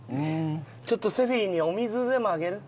ちょっとセフィにお水でもあげる？